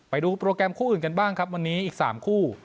ไปดูโปรแกรมคู่อื่นกันบ้างครับวันนี้อีก๓คู่